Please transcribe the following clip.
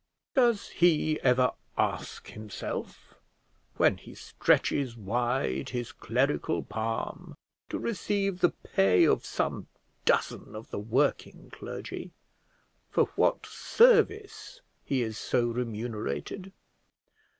Does he ever ask himself, when he stretches wide his clerical palm to receive the pay of some dozen of the working clergy, for what service he is so remunerated?